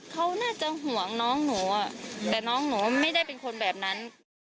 เขาน่าจะห่วงน้องหนูแต่น้องหนูไม่ได้เป็นคนแบบนั้น